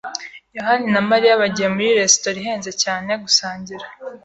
yohani na Mariya bagiye muri resitora ihenze cyane gusangira.